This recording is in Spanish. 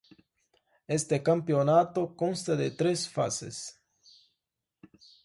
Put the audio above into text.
Este campeonato consta de tres fases.